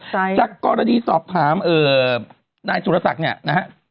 ใช่จะละทีตอบถามเออนายสุรสักกินเนี้ยนะฮะ